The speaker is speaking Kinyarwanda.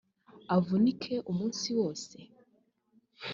avunike umunsi woseee